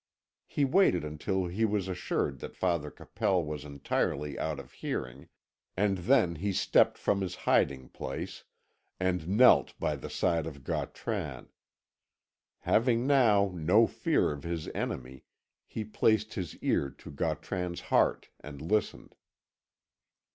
He waited until he was assured that Father Capel was entirely out of hearing, and then he stepped from his hiding place, and knelt by the side of Gautran. Having now no fear of his enemy, he placed his ear to Gautran's heart and listened.